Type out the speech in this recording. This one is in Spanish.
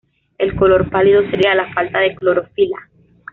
El color pálido se debe a la falta de clorofila.